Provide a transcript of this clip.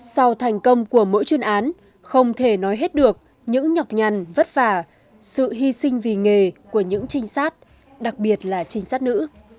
sau thành công của mỗi chuyên án không thể nói hết được những nhọc nhằn vất vả sự hy sinh vì nghề của những trinh sát đặc biệt là trinh sát nữ